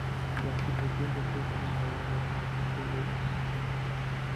La distribución de "T" se llama ahora la distribución-"t" de Student.